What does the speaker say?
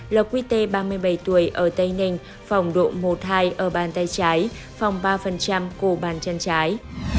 lht ba mươi bảy tuổi ở tây ninh phỏng độ một hai ở bàn tay trái phỏng ba cổ bàn chân trái